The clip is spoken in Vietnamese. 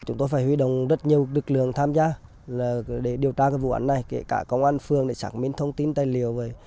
nhiều lực lượng tham gia để điều tra vụ án này kể cả công an phường để sản minh thông tin tài liệu